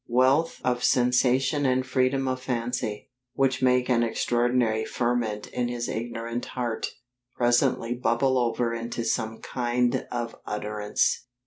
Wealth of sensation and freedom of fancy, which make an extraordinary ferment in his ignorant heart, presently bubble over into some kind of utterance."